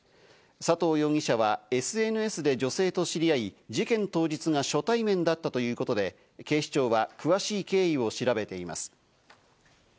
佐藤容疑者はＳＮＳで女性と知り合い、事件当日が初対面だったということで、警視庁は詳しい経緯を調べています。